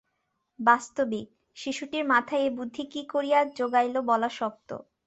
বাস্তবিক, শিশুটির মাথায় এ বুদ্ধি কী করিয়া জোগাইল বলা শক্ত।